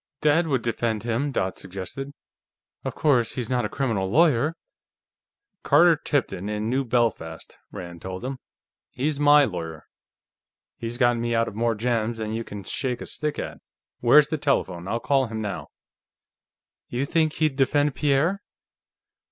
"Dad would defend him," Dot suggested. "Of course, he's not a criminal lawyer " "Carter Tipton, in New Belfast," Rand told them. "He's my lawyer; he's gotten me out of more jams than you could shake a stick at. Where's the telephone? I'll call him now." "You think he'd defend Pierre?"